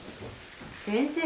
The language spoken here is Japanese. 先生？